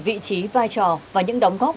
vị trí vai trò và những đóng góp